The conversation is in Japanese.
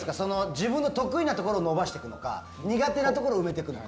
自分の得意なものを伸ばしていくのか苦手なほうを埋めていくのか。